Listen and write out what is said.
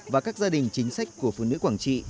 và các gia đình chính sách của phụ nữ quảng trị